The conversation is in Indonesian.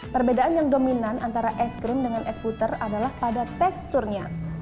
perbedaan yang dominan antara es krim dengan es puter adalah pada teksturnya